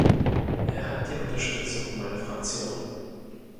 Er hat die Unterstützung meiner Fraktion.